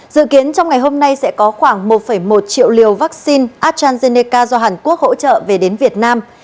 dự kiến trong ngày hôm nay sẽ có khoảng một một triệu liều vaccine astranzeneca do hàn quốc hỗ trợ về đến việt nam